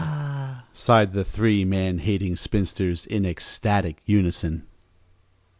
"Ah h h h!" sighed the three man hating spinsters in ecstatic unison.